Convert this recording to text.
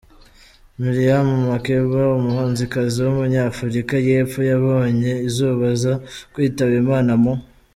Miriam Makeba, umuhanzikazi w’umunyafurika y’epfo yabonye izuba aza kwitaba Imana mu .